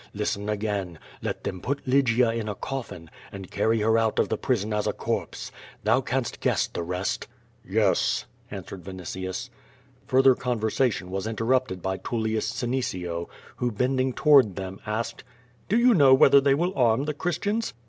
Listen again; let them put Lygia in a coffin and carry her out of the prison as a corpse. Thou canst guess the rest."' "Yes," answered Vinitius. Further conversation was interruptiHl by Tullius Senecio, who, bending toward them, asked: "Do you know whether they will arm the Christians?'